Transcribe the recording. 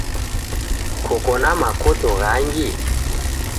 Koko na makoto ghangi?